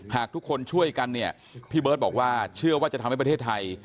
หากทุกคนช่วยกันเนี่ยพี่เบิร์ตบอกว่าเชื่อว่าจะทำให้ประเทศไทย